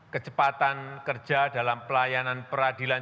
kecepatan kerja dalam pelayanan peradilan